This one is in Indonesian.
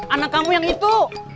anak kamu yang itu